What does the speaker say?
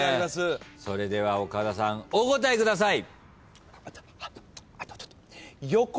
それでは岡田さんお答えください。